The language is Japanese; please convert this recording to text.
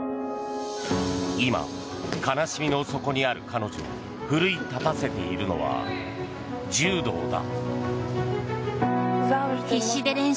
今、悲しみの底にある彼女を奮い立たせているのは柔道だ。